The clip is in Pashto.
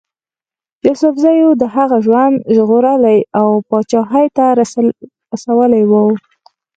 یوسفزیو د هغه ژوند ژغورلی او پاچهي ته رسولی وو.